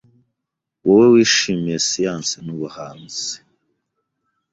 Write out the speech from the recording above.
Wowe wishimiye siyanse n'ubuhanzi